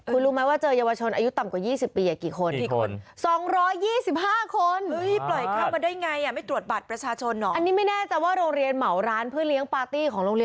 คุณรู้ไหมว่าเจอเยาวชนอายุต่ำกว่า๒๐ปีกี่คนกี่คน